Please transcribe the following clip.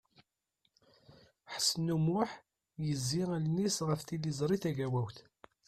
Ḥsen U Muḥ yezzi allen-is ɣef Tiziri Tagawawt.